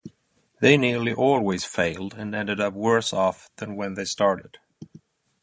They nearly always failed and ended up worse-off than when they started.